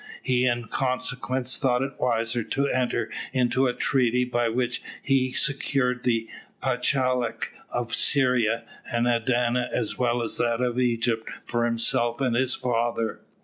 He in consequence thought it wiser to enter into a treaty by which he secured the Pachalic of Syria and Adana as well as that of Egypt for himself and his father.